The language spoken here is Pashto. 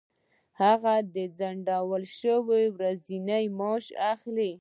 هغه د ځنډول شوو ورځو معاش اخلي.